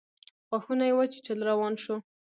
غاښونه يې وچيچل روان شو.